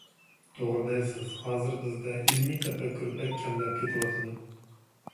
توغرا دەيسىز، ھازىر بىزدە ئىلمىي تەپەككۇر بەك كەملەپ كېتىۋاتىدۇ.